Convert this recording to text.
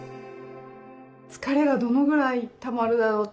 疲れがどのぐらいたまるだろう？